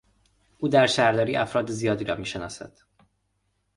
او در شهرداری افراد زیادی را میشناسد.